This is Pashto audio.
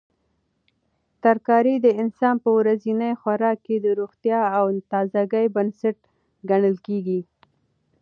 ترکاري د انسان په ورځني خوراک کې د روغتیا او تازګۍ بنسټ ګڼل کیږي.